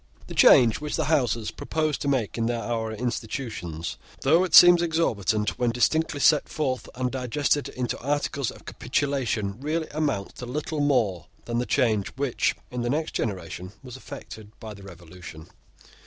The change which the Houses proposed to make in our institutions, though it seems exorbitant, when distinctly set forth and digested into articles of capitulation, really amounts to little more than the change which, in the next generation, was effected by the Revolution.